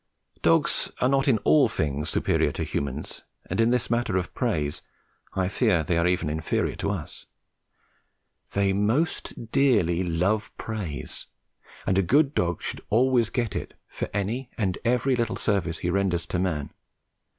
Dogs are not in all things superior to humans, and in this matter of praise I fear they are even inferior to us. They most dearly love praise, and a good dog should always get it for any and every little service he renders to man.